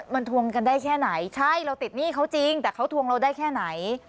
มันทวงกันได้แค่ไหนใช่เราติดหนี้เขาจริงแต่เขาทวงเราได้แค่ไหน